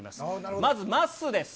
まずまっすーです。